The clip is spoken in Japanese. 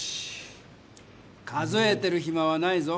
数えてるひまはないぞ。